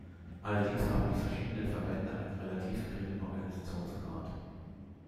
Allerdings haben die verschiedenen Verbände einen relativ geringen Organisationsgrad.